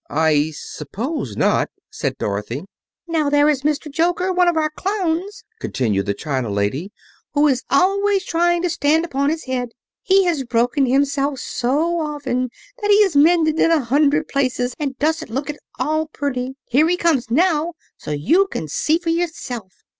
"I suppose not," said Dorothy. "Now there is Mr. Joker, one of our clowns," continued the china lady, "who is always trying to stand upon his head. He has broken himself so often that he is mended in a hundred places, and doesn't look at all pretty. Here he comes now, so you can see for yourself."